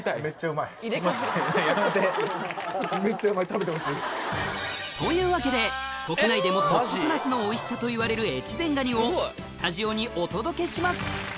めっちゃうまい食べてほしい。というわけで国内でもトップクラスのおいしさといわれる越前がにをスタジオにお届けします